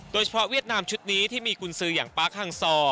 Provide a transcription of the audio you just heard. โดยเฉพาะเวียดนามชุดนี้ที่มีกุญฝีอย่างป๊าข้างซอ